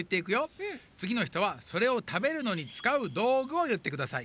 つぎのひとはそれをたべるのにつかうどうぐをいってください。